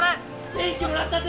元気もらったぜ！